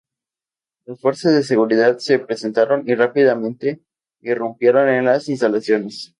Las fuerzas de seguridad se presentaron y rápidamente irrumpieron en las instalaciones.